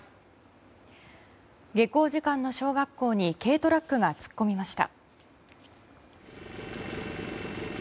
下校時間の小学校に軽トラックが突っ込みました。